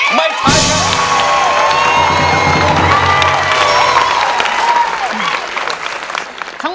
จะใช้หรือไม่ใช้ครับ